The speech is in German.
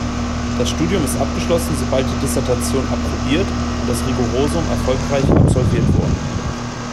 Das Studium ist abgeschlossen, sobald die Dissertation approbiert und das Rigorosum erfolgreich absolviert wurden.